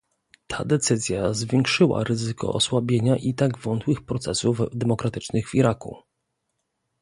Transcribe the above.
Ta decyzja zwiększyła ryzyko osłabienia i tak wątłych procesów demokratycznych w Iraku